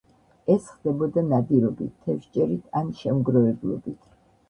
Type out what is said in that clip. ეს ხდებოდა ნადირობით, თევზჭერით ან შემგროვებლობით.